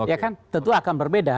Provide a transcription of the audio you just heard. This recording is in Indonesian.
ya kan tentu akan berbeda